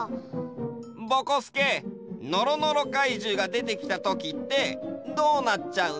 ぼこすけのろのろかいじゅうがでてきたときってどうなっちゃうの？